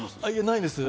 ないです。